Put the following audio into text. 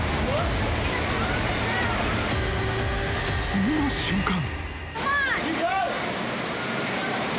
［次の瞬間］